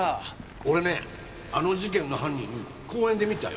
俺ねあの事件の犯人公園で見たよ